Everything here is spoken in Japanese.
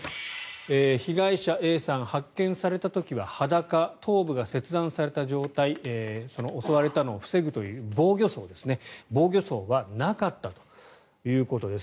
被害者Ａさん発見された時は裸頭部が切断された状態襲われたのを防ぐという防御創はなかったということです。